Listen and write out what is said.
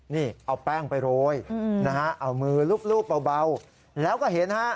นี่เอาแป้งไปโรยนะฮะเอามือลูบเบาแล้วก็เห็นฮะ